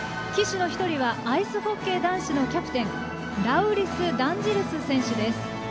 旗手の１人はアイスホッケー男子のキャプテンラウリス・ダルジンス選手です。